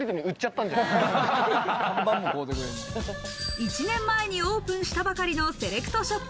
１年前にオープンしたばかりのセレクトショップ